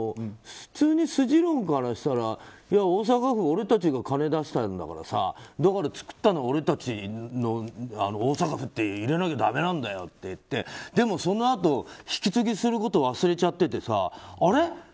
普通に筋論からしたら大阪府は俺たちが金出したんだからだから造ったのは俺たち、大阪府って入れなきゃだめなんだよっていってでもそのあと引き継ぎすること忘れちゃっててさあれ？